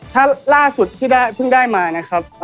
ถ้าล่าสุดที่เพิ่งได้มานะครับ